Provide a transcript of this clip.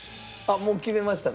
もう決めましたか？